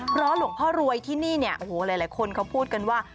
เพราะหลวงพ่อรวยที่นี่เนี่ยโอ้โหหลายคนเขาพูดกันว่า